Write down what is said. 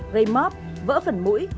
gây móp vỡ phần mũi